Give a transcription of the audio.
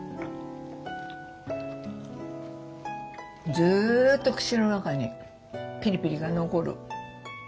ずっと口の中にピリピリが残る。